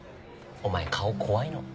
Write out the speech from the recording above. お前顔怖いの。